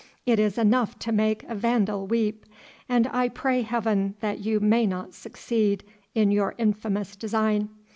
It is enough to make a Vandal weep, and I pray heaven that you may not succeed in your infamous design.